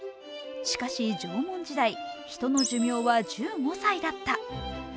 しかし、縄文時代ヒトの寿命は１５歳だった。